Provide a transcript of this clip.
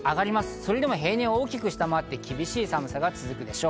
それでも平年を大きく下回って厳しい寒さが続くでしょう。